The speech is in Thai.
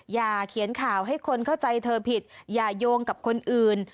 อย่าเขียนข่าวให้คนเข้าใจเธอผิดอย่าโยงกับคนอื่น